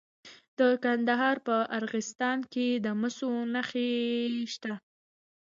د کندهار په ارغستان کې د مسو نښې شته.